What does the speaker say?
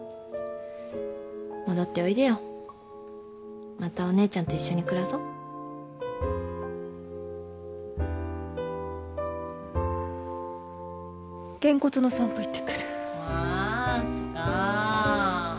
戻っておいでよまたお姉ちゃんと一緒に暮らそうゲンコツの散歩行ってくるあす花